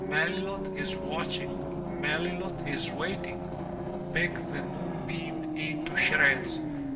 Melilot is watching! Melilot is waiting! Pick the moonbeam into shreds.